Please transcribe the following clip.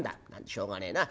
しょうがねえな。